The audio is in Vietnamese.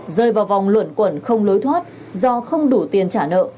rơi vào vòng luận quẩn không lối thoát do không đủ tiền trả nợ